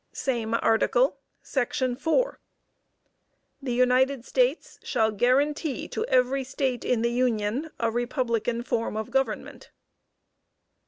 Same Article, Section 4. "The United States shall guarantee to every State in the union a republican form of government."